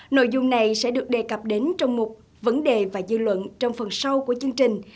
nội dung này sẽ được đề cập đến trong một vấn đề và dư luận trong phần sau của chương trình